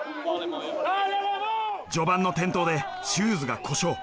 序盤の転倒でシューズが故障。